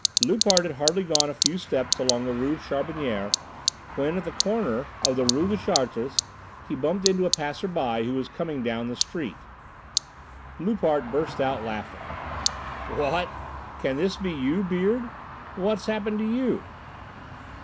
Loupart had hardly gone a few steps along the Rue Charbonnière, when, at the corner of the Rue de Chartres, he bumped into a passer by who was coming down the street. Loupart burst out laughing: "What! Can this be you, Beard? What's happened to you?"